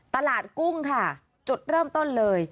กุ้งค่ะจุดเริ่มต้นเลย